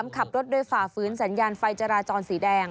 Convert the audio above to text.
ขับรถโดยฝ่าฝืนสัญญาณไฟจราจรสีแดง